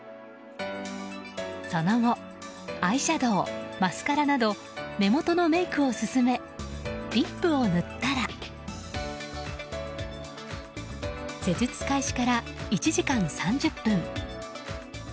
その後、アイシャドウマスカラなど目元のメイクを進めリップを塗ったら施術開始から１時間３０分。